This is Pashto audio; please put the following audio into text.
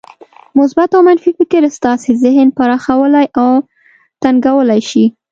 مثبت او منفي فکر ستاسې ذهن پراخولای او تنګولای شي.